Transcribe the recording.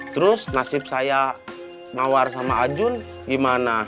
terus nasib saya mawar sama ajun gimana